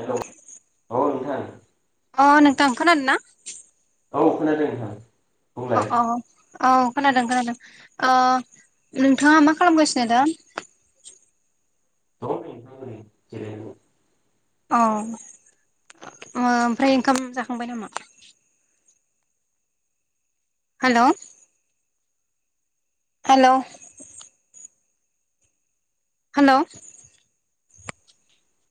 Hello औ नोंथां अ नोंथां खोनादों ना? औ खोनादों नोंथां। अ बुंलाय अ औ खोनादों खोनादों ओ नोंथाङा मा खालामगासिनो दा? [inaudible] दं नै नोंथां ओरैनो जिरायनानै औ ओमफ्राय ओ ओंखाम जाखांबाय नामा? हेल' हेल' हेल'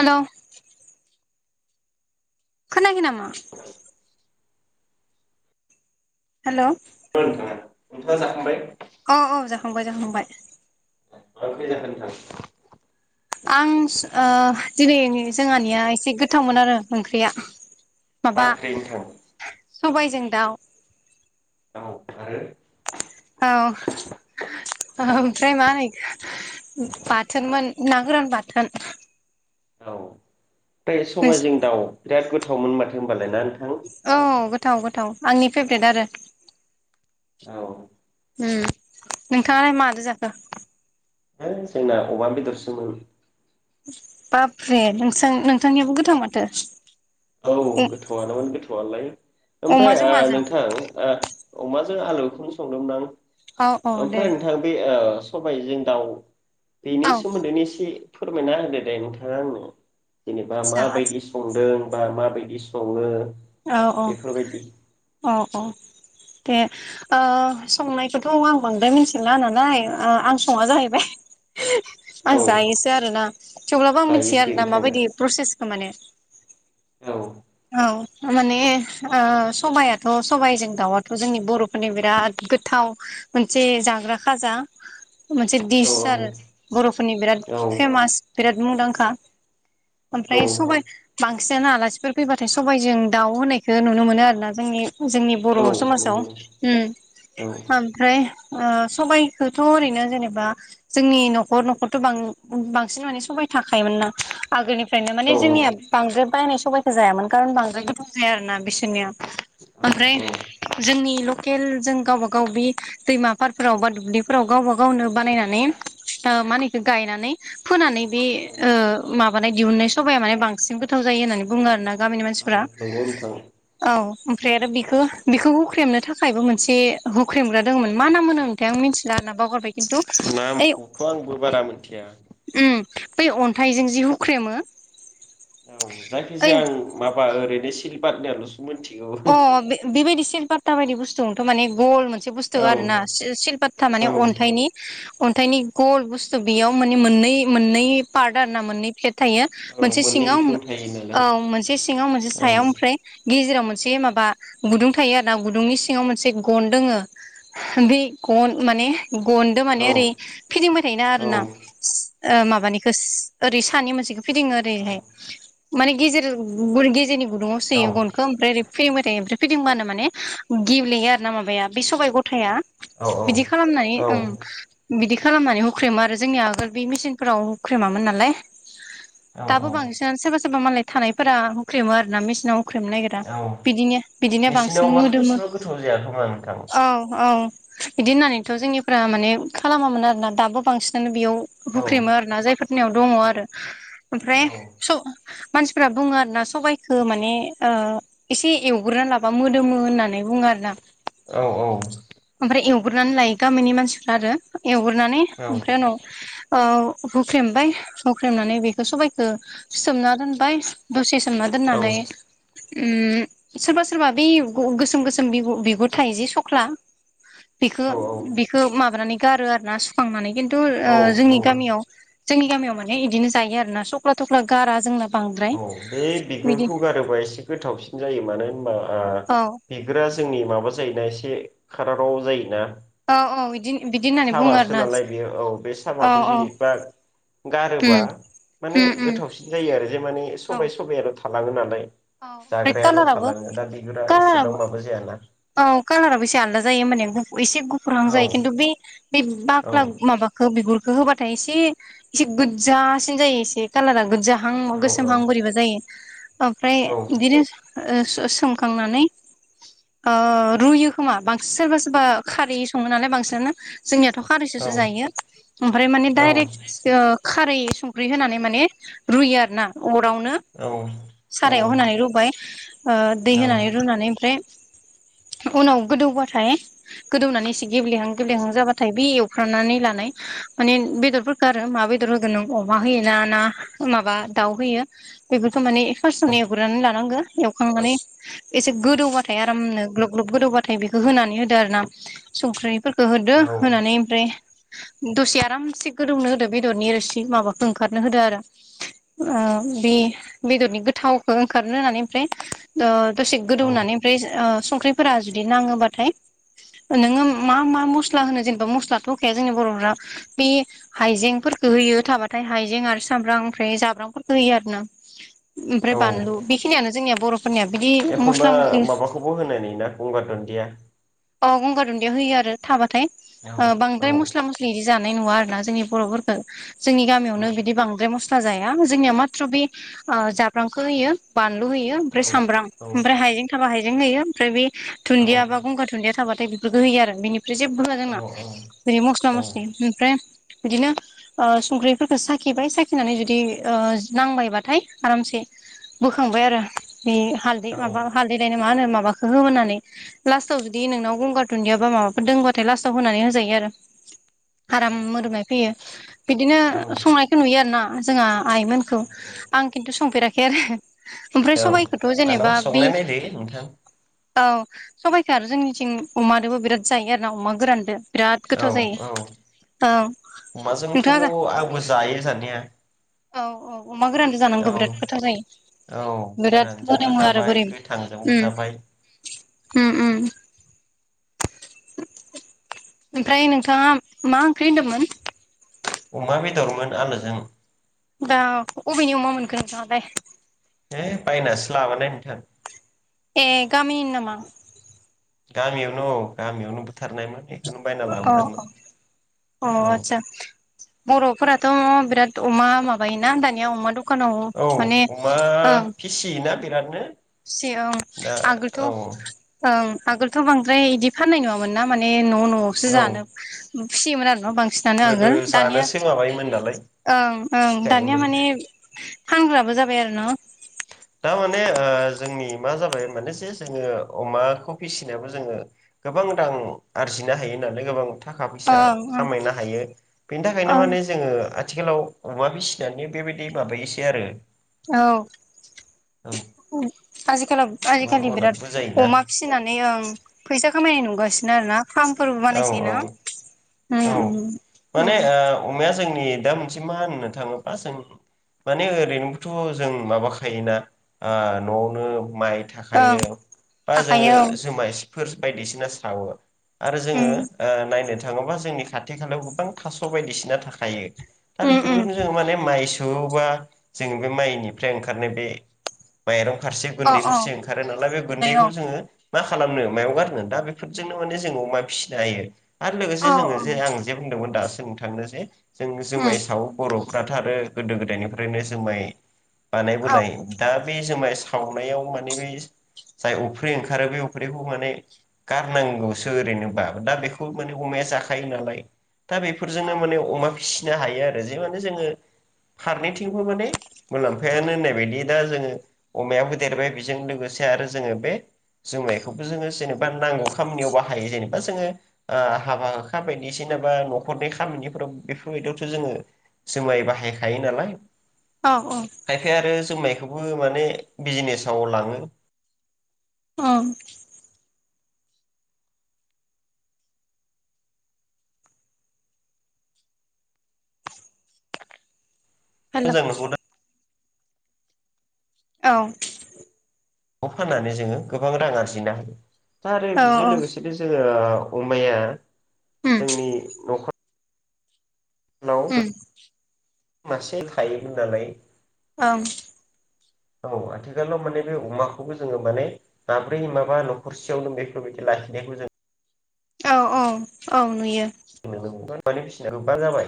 हेल' खोनायाखै नामा? हेलौ ओ नोंथां नोंथाङा जाखांबाय? अ औ जाखांबाय जाखांबाय। आरो [unintelligible] नोंथां आं ओ दिनै जोंहानिया एसे गोथावमोन आरो ओंख्रिया मा माबा आओख्रि नोंथां? सबायजों दाउ औ आरो औ ओमफ्राय मा होनो बाथोनमोन ना गोरान बाथोन। [inaudible] [unintelligible] सबायाइजों दाउ बिराद गोथावमोन माथो होनबालाय ना? नोंथां औ गोथाव गोथाव आंनि फेभ्रेट आरो औ उम नोंथाङालाय माजों जाखो? हो जोंना अमा बेदरसोमोन। बाबरे नोंसा नोंथांनियाबो गोथां माथो औ गोथावानोमोन गोथावालाय ओमफ्राय ओ अमाजों माजों नोंथां ओ अमाजों आलुखौनो संदोंमोन औ औ आं दे ओमफ्राय नोंथां बे ओ सबायजों दाउ बेनि औ सोमोनदैनो एसे फोरमायना होदो दे नोंथाङा आंनो जेनेबा आदसा आदसा माबायदि संदों बा माबायदि सङो औ औ बेफोरबायदि औ औ दे ओ संनायखौथ' आं बांद्राय मिथिला नालाय आं सङा जाहैबाय आं औ जायोसो आरोना थेवब्लाबो आं मिथियो जायोसो आरोना नोंथाङा माबायदि प्रसेसखौ माने औ औ माने ओ सबायाइाथ' सबाइजों दाउयाथ' जोंनि बर'फोरनि बिराद गोथाव मोनसे जाग्रा खाजा मोनसे औ दिस आरो बर'फोरनि बिराद औ फेमास बिराद मुंदांखा नंगौ ओमफ्राय सबाइ बांसिनानो आलासिफोर फैबाथाय सबाइजों दाउ होनायखौ नुनो मोनो आरो ना जोंनि जोंनि बर' औ औ समाजाव औ उम औ ओमफ्राय ओ सबाइखौथ' ओरैनो जेनेबा जोंनि न'खर न'खरथ' बांसिन माने साबाइ थाखायोमोन नो आगोलनिफ्रायनो माने औ जोंनिया बांद्राय बायनाय सबायखौ जायामोन खारन बांद्राय गोथाव जाया आरोना बिसोरनिया ओमफ्राय जोंनि ल। लकेल जों गावबा गाव बे दैमा फारफोराव बा दुब्लिफोराव गावबा गावनो बानायनानै। ओ माहोनो इखो गायनानै। फोनानै बे औ ओ माबानाय दिहुननाय सबाया माने बांसिन गोथाव जायो होननानै बुङो आर ना। गामिनि मानसिफ्रा नंगौ नोंथां औ। ओमफ्राय आरो बेखो बेखौ हुख्रेमनो थाखायबो मोनसे हुख्रेमग्रा दोङमोन मा नाम होनो मोन्थाय आं मिन्थिला आर ना बावगार। खिन्थु ओइ नामखौथ' आंबो बारा मिथिया उम। बै अन्थाइजों जि हुख्रेमो। औ ओइ जायाखिजाया आं माबा ओरैनो सिलबारनियाल'सो मिथिगौ अ हम। बे बेबायदि सिलपात्ता बायदि बुस्थुथ' माने गल मोनसे बुस्थु औ आरोना सिलपात्ता माने औ अन्थाइनि। अन्थाइनि गल बुस्थु बेयाव माने मोननै मोननै पारद ना मोननै पेट थायो औ मोनसे मोननै सिङाव बिखुं थायो नालाय औ मोनसे सिङाव मोनसे औ सायाव ओमफ्राय गेजेराव मोनसे थाय मोनसे माबा गुदुं थायो आर ना गुदुंनि सिङाव मोनसे गन दोङो बे गन माने गनदो माने ओरै फिदिंबाय थायोना आर औ ना। ओ माबानिखोस ओरै सानै मोनसेखौ फिदिङो औ ओरैहाय। माने गेजेर ग गेजेरनि गुदुंङाव औ सोयो गनखौ ओमफ्राय ओरै फिदिंबाय ओमफ्राय फैदिंबानो माने गेब्लेयो आरो ना माबाया बे सबाय गथाया। बिदि खालामनानै औ ओं बिदि खालामनानै हुख्रेमो आरो जोंनिया आगोल बे मेचिनफोराव हुख्रेमामोन नालाय। औ दाबो बांसिनानो सोरबा सोरबा मालाय थानायफोरा हुख्रेमो आरो ना मेसिनाव हुख्रेमनो नागिरा। औ बिदिनो बिदिनो बांसिन मेचिनावबाथ' मोदोमो। एसेबां गोथाव जाया खोमा नोंथां [inaudible] औ औ। बिदि होननानैथ' जोंनिफ्रा माने खालामामोन आरोना दाबो बांसिनानो बेयाव बुख्रिमो आरोना जायफोरनियाव दङ आरो ओमफ्राय औ स मानसिफ्रा बुङो आरो ना सबायखौ माने ओ एसे एवग्रोना लाबा मोदोमो होननानै। बुङो आरो ना। औ ओमफ्राय एवगोरनानै लायो गामिनि मानसिफ्रा आरो। एवग्रोनानै ओमफ्राय उनाव औ हुख्रेमबाय हुख्रेमनानै बेखौ सबायखौ सोमना दोनबाय। दसे सोमना दोननानै उम सोरबा सोरबा बे युब गु गोसोम गोसोम बिगु बिगुर थायो जि सख्ला। बिखो औ बिखो माबानानै गारो आरो ना सुखांनानै खिन्थु ओ औ जोंनि गामियाव जोंनि गामियाव माने इदिनो जायो आरो ना सख्ला थख्ला गारा जोंना बांद्राय औ बे बिदि बिगुरखौ गारोबा एसे गोथावसिन जायो मानो होनबा आ औ बिगुरा जोंनि माबा जायोना एसे खारावराव जायोना। अ औ इदिनो। साबासो नालाय बे औ बे औ साबाखौ औ जि फा गारोबा उम माने उम उम गोथावसिन जायो आरो जे माने औ सबाय सबायाल' थालाङो नालाय। औ ओमफ्राय जाग्रायाल' कालाराबो थालाङो दा बिगुरा कालाराबो एसेबां माबो जायाना। औ कालाराबोसे आलदा जायो माने गु एसे गुफुरहां औ जायो खिन्थु बे बे बाख्ला माबाखौ बिगुर बेखौ होबाथाय एसे एसे गोजासिन जायो एसे कालारा गोजा हां औ गोसोमहां बोरैबा जायो। ओमफ्राय बिदिनो ओ स सोमखांनानै ओ रुयो खोमा बांसिन सोरबा सोरबा खारै सङो नालाय बांसिनानो। जोंनियाथ' खारैसोसो जायो ओमफ्राय माने डाइरेक्ट ओ खारै संख्रि होनानै माने रुयो आरो ना। अरावनो औ सारायाव होनानै रुबाय ओ दै होनानै रुनानै ओमफ्राय [inaudible] उनाव गोदौबाथाय गोदौनानै एसे गेब्लेहां गेब्लेहां जाबाथाय बे एवफ्रांनानै लानाय माने बेदरफोरखौ आरो मा बेदर होगोन नों अमा होयो ना ना माबा दाउ होयो बेफोरखौ माने फार्स्टावनो एवग्रोनानै लानांगौ एवखांनानै एसे गोदौबाथा थाय आरामनो ग्लब ग्लब गोदौबाथाय बेखौ होनानै होदो आरो ना संख्रि फोरख होदो होनानै ओमफ्राय दसे आरामसे गोदौनो होदो बेदरनि रोसि माबाखौ ओंखारनो होदो आरो ओ बे बेदरनि गोथावखौ ओंखारनो होननानै ओमफ्राय ओ दसे गोदौ होननानै ओ संख्रिफोरा जुदि नाङोबाथाय नोङो मा मा मस्ला होनो जेनेबा मस्लाथ' होखाया जोंनि बर'फोरा बे हाइजें होयो थाबाथाय हाइजें आरो सामब्राम ओमफ्राय जाब्रांफोरखौ होयो आरो ना ओमफ्राय औ बानलु बेखिनियानो जोंनिया बर'फोरनिया बिदि मस्ला मस्लि खौबो होनानै गंगार दुन्दिया अ गंगार दुन्दिया होयो आरो थाबाथाय औ ओ औ बांद्राय मस्ला मस्लि बिदि जा नाय नु आरोना जोंनि बर'फोरखौ जोंनि औ गामयावनो बिदि बांद्र म स्ला जाया जोंनिया माथ्र बे ओ जाब्रांखौ होयो बालू होयो औ ओमफ्राय सामब्राम औ ओमफ्राय बै दुन्दिया बा गंगार दुन्दिया था नाथाय बेफोरखौ होयो आरो बेनिफ्राय जेबो होआ औ जोंना ओरै मस्ला औ मस्लि ओमफ्राय बिदिनो ओ संख्रिफोरखो साखिबाय साखिनानै जुदि ओ नांबायबाथाय आरामसे बोखांबाय आरो बे हालदै माबा हालदै लायनो मा होन माखौ होनोनानै लास्टाव जुदि नोंनाव गंगार दुन्दियायाबा माबाफोर दंबाथाय लास्टाव होनानै होजायो आरो आराम मोरोमनाय फैयो बिदिनो संनायखौ नुयो आरो ना। जोंहा आइमोनखौ आं खिन्थु संफेराखै आरो ओमफ्राय सबबायखौथ' जेनेबा मालाबा बे संनाय नायदो नोंथां औ सबाइखो आरो जोंनिथिं अमादोबो बिराद जायो आरोना अमा गोरानदो बिराद औ गोथाव जायो औ औ अमाजोंथ' नोंथाङा आंबो जायो जानाया औ औ अमा गोरान जानांगौ औ बिराद खोथा जायो। औ बिराद गोरानजोंबो मदोमो आरो उ जाबाय गोथांजोंबो उ जाबाय उ ओमफ्राय नोंथाङा मा ओंख्रि होनदोंमोन? अमा बेदरमोन आलोजों दा अबेनि अमा मोनखनो नोंथां आलाय? ए बायनासो लाबानो नोंथां ए गामिनि नामा? गामियावनो औ गामियावनो बुथारनाय मोन अ अ अ औ आतसा बर'फोरा थ' बिराद अमा माबायोना दानिया अमा दं औ अमा फिसियोना बिरादनो फिसियो औ दा आगोलथ' ओ औ उ आगोलथ' बांद्राय बिदि फाननाय नङामोन ना माने न' न'आवसो औ जानो फिसियोमोन आरो ना बांसिनानो गोदो आगोल दानिया जानोसो माबायोमोन नालाय ओं ओं दानिया फिखायोमोन माने फानग्राबो जाबाय आरो ना दारमाने ओ जोंनि मा जाबाय माने जे जोङो अमाखौ फिसिनायाबो जोङो गोबां रां आरजिनो हायो नालाय गोबां थाखा फैसा ओं ओं खामायनो हायो बेनि थाखायनो माने जोङो आथिखालाव अमा फिसिनानै बेबायदि माबायोसै आरो औ औ आजिखालाव गोबां आजिखालि बिराद मददबो जायोना अमा फिसिनानै ओं फैसा खामायनाय नुगासिनो आरो ना फार्मफोरबो औ बानायसै ना उम औ औ उम माने उम ओ अमाया जोंनि दा मोनसे मा होननो थाङोबा जों माने ओरैनोबोथ' जों माबाखायोना आ न'आवनो माइ ओं थाखायो बा जोङो थाखायो औ जुमाय सिफोर बायदिसिना सावो। आरो जोङो उम ओ नायनो थाङोबा जोंनि खाथि खालायाव गोबां थास' बायदिसिना थाखायो दा उम उम बेफोरखौनो जोङो माने माइ सोवोबा जोंङो बे माइनिफ्राय ओंखारनाय बे माइरं फारसे अ गुैन्दै अ फारसे ओंखारो नालाय बे मोनबाय औ गुन्दैखौ जोङो मा खालामनो मायाव गारनो दा बेफोरजोंनो माने जोङो अमा फिसिनो हायो आरो औ लोगोसे जोङो उम जे आं जे बुंदोंमोन दासो नोंथांनो जे जों जुमाय सावो बर'फ्राथ' आरो गोदो-गोदायनिफ्रायनो जुमाय औ बानायबोनाय दा बे जुमाय सावनायाव माने बे जाय अफ्रि ओंखारो बे अफ्रिखौ माने गारनांगौसो ओरैनोबा दा बेफोरखौ अमाया जाखायो नालाय दा बिफोरजोंनो माने अमा फिसि नो हायो आरो जे माने जोङो फारनैथिंबो माने मुलाम्फायानो होननाय बायदि दा जोङो। अमायाबो देरबाय बेजों लोगोसे आरो जोङो बे जुमायखौबो जोङो जेननोबा नांगौ खामानियाव बाहायो ।जेनेबा जोङो हाबा हुखा बायदिसिना बा न'खरनि खामानिफोराव बेफोरबायदियावथ' जोङो जुमाय बाहायखायो नालाय औ -औ। खायफाया आरो जुमायखौबो माने बिजनेसाव लाङो। अ। हेल' मोजां [unintelligible] नुहुरदों औ। नखौ फाननानै जोङो गोबां रां आरजिनो हायो दा आरो औ बेजों औ लोगोसेनो जोङो अमाया उम जोंनि न'खराव हु। मासे थायोमोन नालाय ओं। औ आथिखालाव माने बे अमाखौबो जोङो माने माब्रै माबा न'खरसेयावनो बेफोरबायदि लायो। द [unintelligible] जों औ -औ -औ नुयो। [unintelligible] फिसिना गोबा जाबाय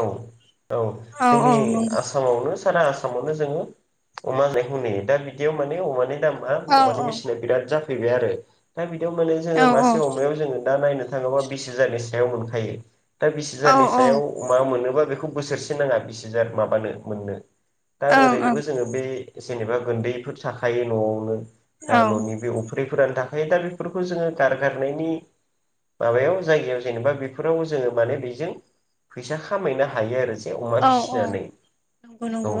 औ-औ औ औ जोंनि नंगौ आसामावनो सारा आसामावनो जोङो अमा जानायखौ नुयो दा बिदियाव माने अमानि दामा औ अमानि बेसेना बिराद जाफैबाय आरो दा बिदियाव माने जोङो औ मासे अमायाव जोङो दा नायनो थाङोबा बिस हाजारनि सायाव मोनखायो दा बिस औ हाजारनि ओं ओं सायाव मोननोबा बेखौ बोसोरसे नाङा बिस हाजार माबानो मोननो दा ओरैनोबो जोङो बे जेनेबा गुन्दैफोर थाखायो न'आवनो दा औ न'नि बे अफ्रि फोरानो थाखायायो दा बेफोरखौ जोङो गारगारनायनि माबायाव जायगायाव जेनेबा बेफोराव जोङो माने बेजों फैसा खामायनो हायो आरो जों। मासे अमा औ औ फिसिनानै नंगौ औ नंगौ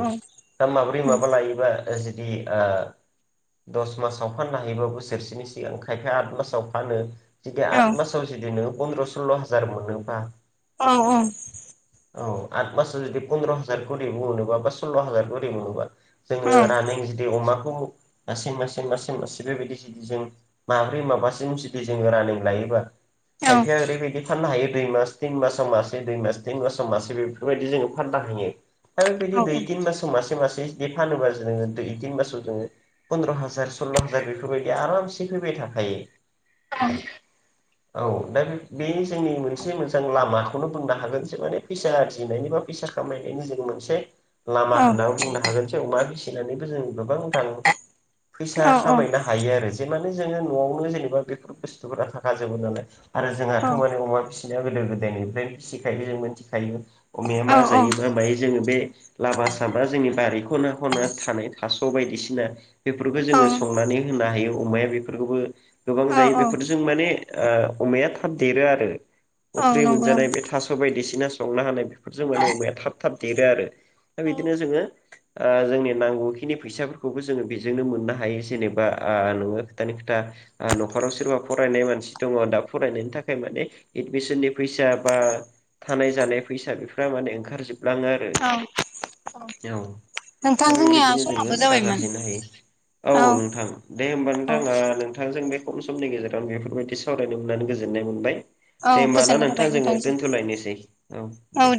दा माब्रै माबा लायोबा जुदि ओ दस मासाव फाननो हायोबा बोसोरसेनि सिगां खायफाया आद मासाव फानो जुदि आद मासाव जुदि नोङो फन्द्र' सल्ल' हाजार मोनोबा अ-अ। औ आठ मासआव जुदि पन्द्र' हाजारखरै मोनोबा बा सल्ल' हाजारखरि मोनोबा जोङो औ मानै जुदि अमा [unintelligible] बेबायदि जुदि जों माब्रै माबासिम जों जुदि रानिं लायोबा औ खायफाया ओरैबायदि फाननो हायो दुइ मास तिन मासाव मास मास तिन मास मासे बेफोरबायदि जोङो फाननो हायो। दा बेबायदि औ दुइ तिन मासाव मासे-मासे बिदि फानोबा जोङो दुइ तिन मासाव जोङो फन्द्र' हाजार सल्ल' हाजार बेफोरबायदि आरामसे फैबाय थाखायो। थायो। औ। औ दा बे जोंनि मोनसे मोजां लामा। बेखौनो बुंनो हागोन जे माने फैसा आरजिनायनि बा फैसा खामायनायनि जों मोनसे लामा औ होनना बुंनो हागोनसै अमा फिसिनानैबो जों गोबां रां फैसा औ खामायनो हायो आरो जेमान जोङो नआवनो जेनेबा बेफोर बुस्थुफोरा थाखा जोबो नालाय आरो जोंहाथ माने अमा फि जोहा गोदो गोदायनिफ्रायनो फिसिखायो मोनथिखायो अमाया मा जायो मा मायो जोङो बे लामा सामा जोंनि बारि खना खना थानाय थास स बायदिसिना बेफोरखौ जोङो संनानै होनो हायो अमाया बेफोरखौबो गोबां औ जायो औ बेफोरजों माने ओ अमाया थाब देरो आरो औ नंग जानाय बे थास बायदिसिना संना होनाय बेफोरजों माने अमाया थाब थाब देरो आरो दा बिदिनो जोङो ओ जोंनि नांगौखिनि फैसाफोरखौबो जोङो बेजोंनो मोननो हायो जेनेबा आ नोङो खोथानि खोथा ओ नखराव सोरबा फरायनाय मानसि दङ दा फरायनायनि थाखाय माने एदमिसननि फैसा बा थानाय जानाय फैसा बेफ्रा माने ओंखारजोबलाङो आरो औ औ नोंथां दा जोंनिया बेबायदिनो जोङो समाबो रां जाबायमोन आरजिनो हायो औ नोंथां दे होमबा औ नोंथां ओ नोंथांजों बे खम समनि गेजेराव बेफोरबायदि सावरायनो मोननानै गोजोननाय मोनबाय औ दे होमबा ना गोजोननाय थाबाय नोंथां जोङो नोंथांनिसिम दोनथलायनोसै औ दे